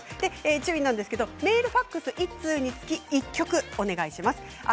注意ですがメール、ファックス一通につき１曲をお願いします。